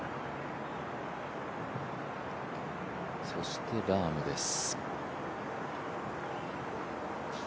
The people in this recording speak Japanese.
そしてラームです。